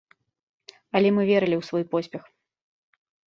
Але мы верылі ў свой поспех.